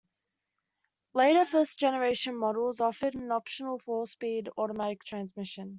Later first-generation models offered an optional four-speed automatic transmission.